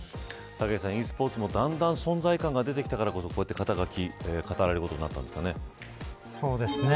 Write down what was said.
武井さん、ｅスポーツも存在感が出てきたからこそこうやって語られることになったんですかね。